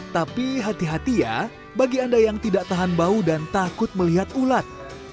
tapi hati hati ya bagi anda yang tidak tahan bau dan takut melihat ulat